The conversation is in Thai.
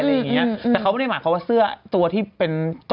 แล้วเค้าไม่ได้หมายว่าเสื้อตัวที่เป็นต้นเหตุ